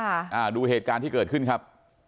อ่าดูเหตุการณ์ที่เกิดขึ้นครับ